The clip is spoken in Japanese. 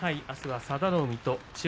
あすは佐田の海と。